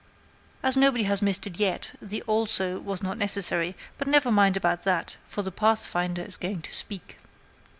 As nobody had missed it yet, the "also" was not necessary; but never mind about that, for the Pathfinder is going to speak.